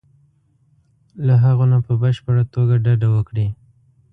له هغو نه په بشپړه توګه ډډه وکړي.